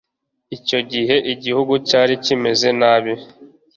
Icyo gihe igihugu cyari kimeze nabi